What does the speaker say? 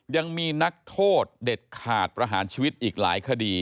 ยังมีนักโทษเด็ดขาดประหารชีวิตอีกหลายคดี